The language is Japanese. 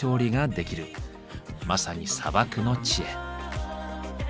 まさに砂漠の知恵。